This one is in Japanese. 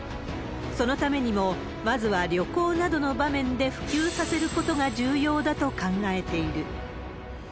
そのためにも、まずは旅行などの場面で普及させることが重要だと考えている。